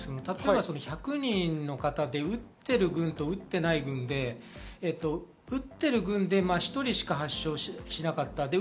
例えば１００人の方で打っている分と打っていない分で打っている分で１人しか発症しなかった。